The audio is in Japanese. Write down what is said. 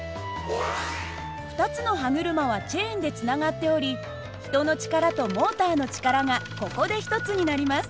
２つの歯車はチェーンでつながっており人の力とモーターの力がここで一つになります。